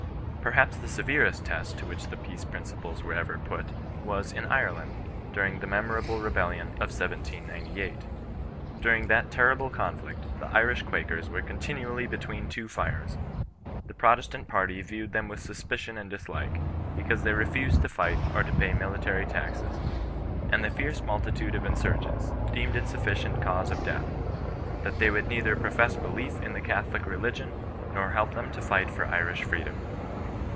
Perhaps the severest test to which the peace princi OHBISTIAN irON KESISTANCB. 125 pies were ever put, was in Ireland, during the memor able rebellion of 1798. During that terrible conflict, the Irish Quakers were continually between two fires. The Protestant party viewed them with suspicion and dislike, because they refused to fight or to pay mi litary taxes; and the fierce multitude of insurgents deemed it sufficient cause of death, that they would neither profess belief in the Catholic religion nor help them to fight for Irish freedom.